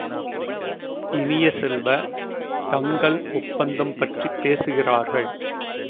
இனிய செல்வ, டங்கல் ஒப்பந்தம் பற்றிப் பேசுகிறார்கள்.